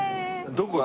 どこ？